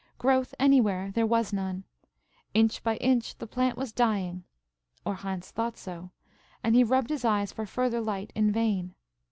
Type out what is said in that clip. Growth anywhere there was none. Inch by inch the plant was dying–or Hans thought so, and he rubbed his eyes for further light in vain.